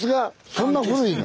そんな古いの？